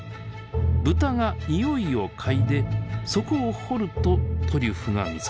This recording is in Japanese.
ブタがにおいを嗅いでそこを掘るとトリュフが見つかります。